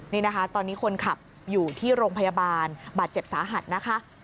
นี่นะคะตอนนี้คนขับอยู่ที่โรงพยาบาลบาดเจ็บสาหัสนะคะ